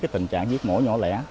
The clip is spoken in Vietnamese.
tình trạng giết mổ nhỏ lẻ